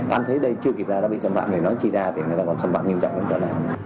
anh thấy đây chưa kịp ra đã bị xâm phạm người nói chia ra thì người ta còn xâm phạm nghiêm trọng hơn trở lại